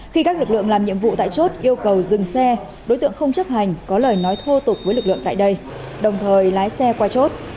khi các lực lượng làm nhiệm vụ tại chốt yêu cầu dừng xe đối tượng không chấp hành có lời nói thô tục với lực lượng tại đây đồng thời lái xe qua chốt